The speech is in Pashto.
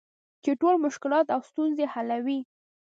چې ټول مشکلات او ستونزې حلوي .